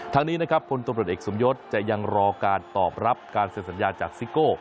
ทางนี้นะครับพลตำรวจเอกสมยศจะยังรอการตอบรับการเซ็นสัญญาจากซิโก้